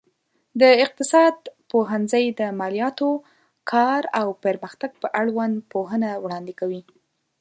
د اقتصاد پوهنځی د مالياتو، کار او پرمختګ په اړوند پوهنه وړاندې کوي.